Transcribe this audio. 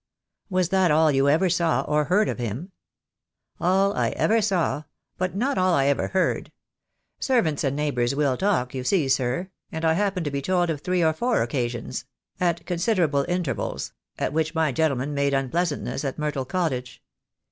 "Was that all you ever saw or heard of him?" "All I ever saw, but not all I ever heard. Servants and neighbours will talk, you see, sir, and I happened to be told of three or four occasions — at considerable inter vals— at which my gentleman made unpleasantness at Myrtle Cottage.